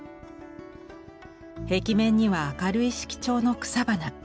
壁面には明るい色調の草花。